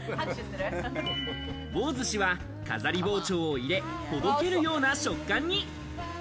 棒寿司は飾り包丁を入れ、ほどけるような食感に。